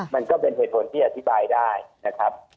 มันก็เป็นเหตุผลที่อธิบายได้นะครับ